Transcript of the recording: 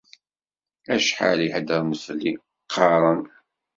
Acḥal i iheddren fell-i, qqaren.